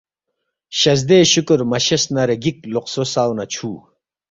شزدے شکر مشیس نارے گیگ لوقسو ساو نہ چھو